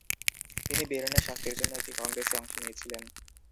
তিনি বের্নে শান্তির জন্য একটি কংগ্রেসে অংশ নিয়েছিলেন।